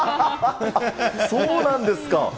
そうなんですか。